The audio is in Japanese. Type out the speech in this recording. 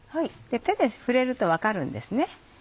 手で触れると分かるんです。